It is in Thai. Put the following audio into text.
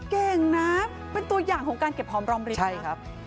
เก่งนะเป็นตัวอย่างของการเก็บหอมรอมรีบใช่ครับ